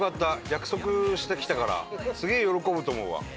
約束してきたからすげえ喜ぶと思うわ。